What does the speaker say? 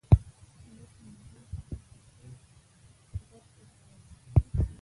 لس نمرې به په سلو کې درکړم آیا سمه ده.